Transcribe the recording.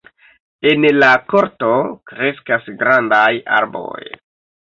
En la korto kreskas grandaj arboj.